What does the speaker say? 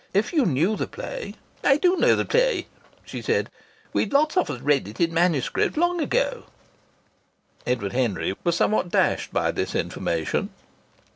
If you knew the play " "I do know the play," she said. "We'd lots of us read it in manuscript long ago." Edward Henry was somewhat dashed by this information.